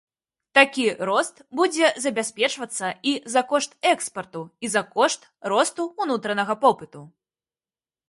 Такі рост будзе забяспечвацца і за кошт экспарту, і за кошт росту ўнутранага попыту.